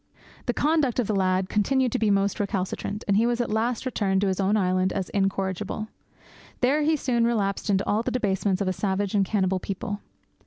The conduct of the lad continued to be most recalcitrant, and he was at last returned to his own island as incorrigible. There he soon relapsed into all the debasements of a savage and cannibal people.